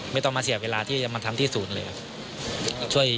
ไม่ต้องมาเสียเวลาที่จะมาทำที่ศูนย์เลยครับ